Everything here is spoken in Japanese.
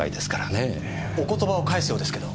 お言葉を返すようですけど。